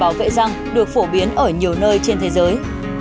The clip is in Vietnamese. bảo vệ răng được phổ biến ở nhiều nơi trên thế giới